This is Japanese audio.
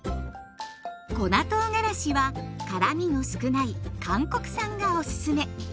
粉とうがらしは辛みの少ない韓国産がおすすめ。